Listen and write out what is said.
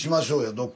どっか。